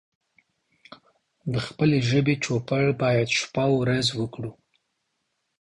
د خپلې ژبې چوپړ بايد شپه او ورځ وکړو